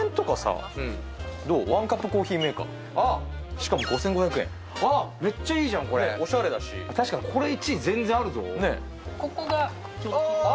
しかも５５００円ああめっちゃいいじゃんこれオシャレだし確かにこれ１位全然あるぞねえああ！